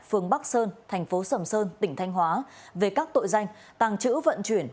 phường bắc sơn thành phố sầm sơn tỉnh thanh hóa về các tội danh tàng trữ vận chuyển